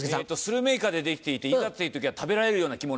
スルメイカでできていていざという時は食べられるような着物。